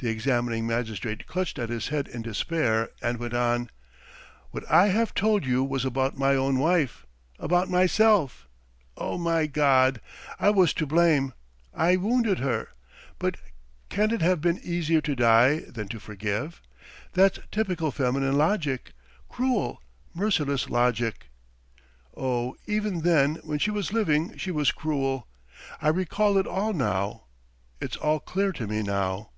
The examining magistrate clutched at his head in despair, and went on: "What I have told you was about my own wife, about myself. Oh, my God! I was to blame, I wounded her, but can it have been easier to die than to forgive? That's typical feminine logic cruel, merciless logic. Oh, even then when she was living she was cruel! I recall it all now! It's all clear to me now!"